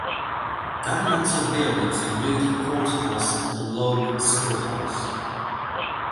Governmental buildings included a courthouse and a log schoolhouse.